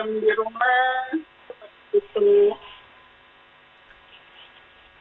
kemudian untuk kejadiannya